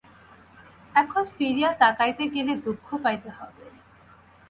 এখন ফিরিয়া তাকাইতে গেলে দুঃখ পাইতে হইবে।